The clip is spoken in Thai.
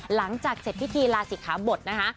หลังจากเสร็จพิธีลาศิกขาบทนะคะ